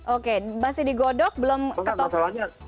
oke masih digodok belum ketop